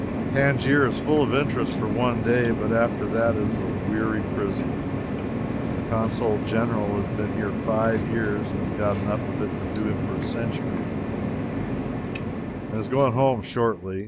Tangier is full of interest for one day, but after that it is a weary prison. The Consul General has been here five years, and has got enough of it to do him for a century, and is going home shortly.